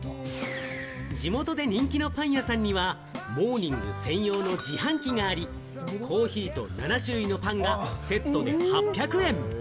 地元で人気のパン屋さんにはモーニング専用の自販機があり、コーヒーと７種類のパンがセットで８００円。